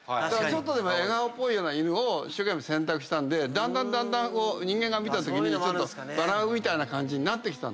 ちょっとでも笑顔っぽい犬を一生懸命選択したんでだんだん人間が見たときに笑うみたいな感じになってきた。